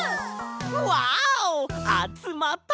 わおあつまった！